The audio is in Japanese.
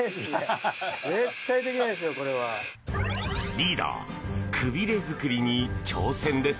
リーダーくびれ作りに挑戦です。